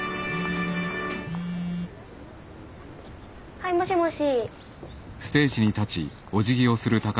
はいもしもし。